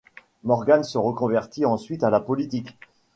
Morgan se reconvertit ensuite à la politique.